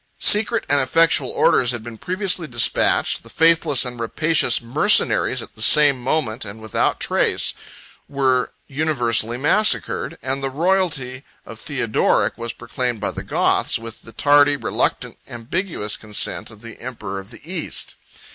Secret and effectual orders had been previously despatched; the faithless and rapacious mercenaries, at the same moment, and without resistance, were universally massacred; and the royalty of Theodoric was proclaimed by the Goths, with the tardy, reluctant, ambiguous consent of the emperor of the East.